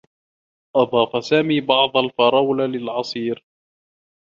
أضاف سامي بعض الفرولة للعصير.